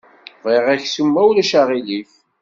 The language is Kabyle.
Bɣiɣ aksum ma ulac aɣilif.